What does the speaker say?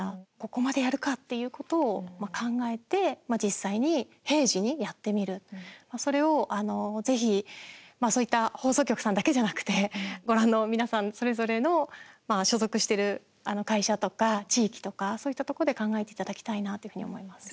「ここまでやるか」っていうことを考えて実際に平時にやってみるそれを、ぜひ、そういった放送局さんだけじゃなくてご覧の皆さんそれぞれの所属している会社とか地域とかそういったところで考えていただきたいなって思います。